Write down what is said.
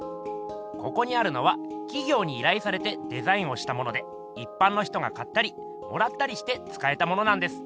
ここにあるのはきぎょうにいらいされてデザインをしたものでいっぱんの人が買ったりもらったりしてつかえたものなんです。